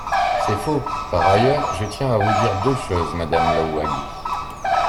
C’est faux ! Par ailleurs, je tiens à vous dire deux choses, madame Louwagie.